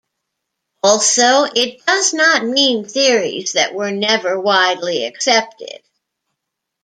Also, it does not mean theories that were never widely accepted.